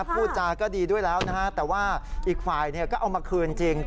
พูดจาก็ดีด้วยแล้วนะฮะแต่ว่าอีกฝ่ายก็เอามาคืนจริง